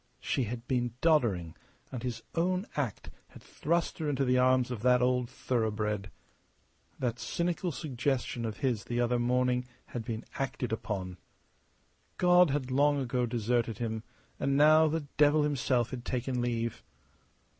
She had been doddering, and his own act had thrust her into the arms of that old thoroughbred. That cynical suggestion of his the other morning had been acted upon. God had long ago deserted him, and now the devil himself had taken leave.